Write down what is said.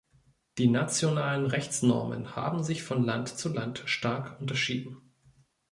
Die nationalen Rechtsnormen haben sich von Land zu Land stark unterschieden.